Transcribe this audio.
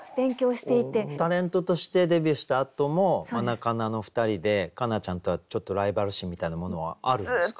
タレントとしてデビューしたあともマナカナの２人で佳奈ちゃんとはちょっとライバル心みたいなものはあるんですか？